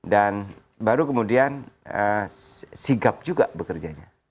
dan baru kemudian sigap juga bekerjanya